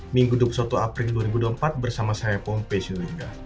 minggu dua puluh satu april dua ribu dua puluh empat bersama saya pompe surinda